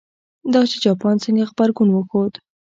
دا چې جاپان څنګه غبرګون وښود.